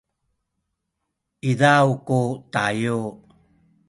izaw ku tayu